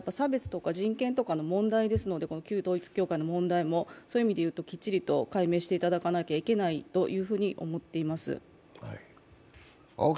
だから、差別とか人権の問題ですので、旧統一教会の問題も、そういういい身でいうときっちりと解明していかなければならないというふうに思っています。